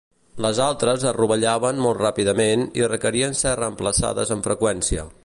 Les altres es rovellaven molt ràpidament i requerien ser reemplaçades amb freqüència.